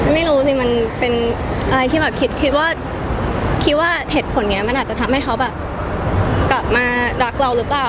ไม่รู้สิมันเป็นอะไรที่แบบคิดว่าคิดว่าเหตุผลนี้มันอาจจะทำให้เขาแบบกลับมารักเราหรือเปล่า